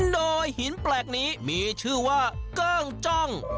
โดยหินแปลกนี้มีชื่อว่าเกิ้งจ้อง